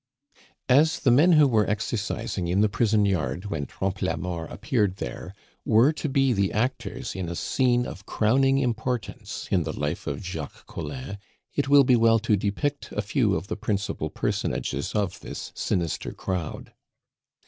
As the men who were exercising in the prison yard, when Trompe la Mort appeared there, were to be the actors in a scene of crowning importance in the life of Jacques Collin, it will be well to depict a few of the principal personages of this sinister crowd.